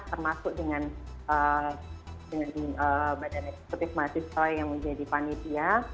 termasuk dengan badan eksekutif masih soi yang menjadi panitia